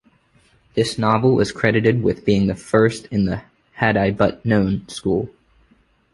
This novel is credited with being the first in the "Had-I-But-Known" school.